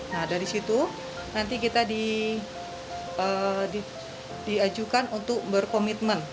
nah dari situ nanti kita diajukan untuk berkomitmen